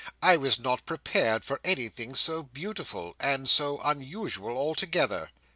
"I was not prepared for anything so beautiful, and so unusual altogether."